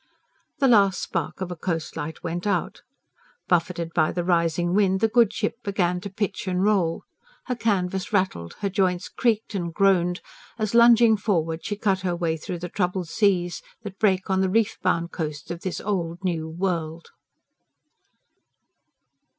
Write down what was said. The last spark of a coast light went out. Buffeted by the rising wind, the good ship began to pitch and roll. Her canvas rattled, her joints creaked and groaned as, lunging forward, she cut her way through the troubled seas that break on the reef bound coasts of this old, new world.